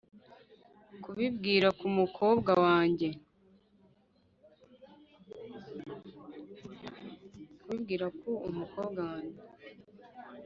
kubibwira ku umukobwa wanjye